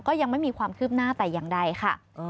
ยังไม่มีความคืบหน้าแต่อย่างใดค่ะ